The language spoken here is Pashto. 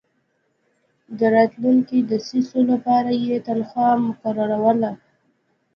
د راتلونکو دسیسو لپاره یې تنخوا مقرروله.